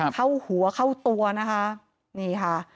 เข้าหัวเข้าตัวนะคะนี่ค่ะ